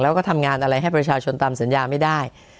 แล้วก็ทำงานอะไรให้ประชาชนตามสัญญาไม่ได้